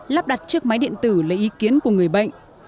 lắp đặt chiếc máy điện tử lấy ý kiến của người bệnh